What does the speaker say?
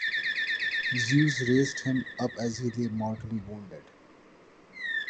Zeus raised him up as he lay mortally wounded.